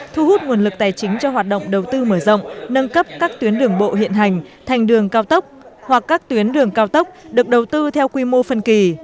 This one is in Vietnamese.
thu hút nguồn lực tài chính cho hoạt động đầu tư mở rộng nâng cấp các tuyến đường bộ hiện hành thành đường cao tốc hoặc các tuyến đường cao tốc được đầu tư theo quy mô phân kỳ